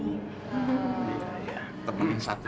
iya temenin satria dulu